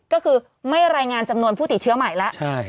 ก็คือไม่รายงานจำนวนผู้ติดเชื้อใหม่แล้ว